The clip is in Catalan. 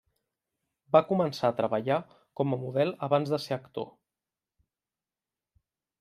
Va començar a treballar com a model abans de ser actor.